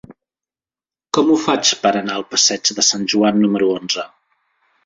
Com ho faig per anar al passeig de Sant Joan número onze?